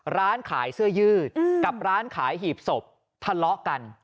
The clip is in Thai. ร้านขายเสื้อยืดกับร้านขายหีบศพทะเลาะกัน